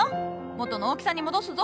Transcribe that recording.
元の大きさに戻すぞ。